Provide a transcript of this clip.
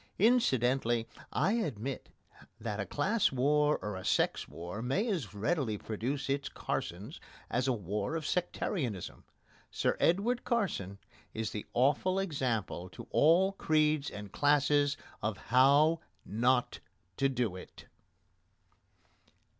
Incidentally I admit that a class war or a sex war may as readily produce its Carsons as a war of sectarianism. Sir Edward Carson is the awful example to all creeds and classes of how not to do it.